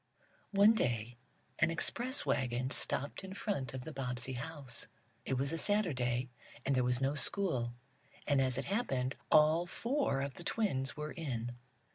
One day an express wagon stopped in front of the Bobbsey house. It was a Saturday, and there was no school, and, as it happened, all four of the twins were in.